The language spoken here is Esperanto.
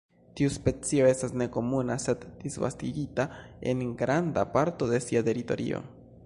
Tiu specio estas nekomuna sed disvastigita en granda parto de sia teritorio.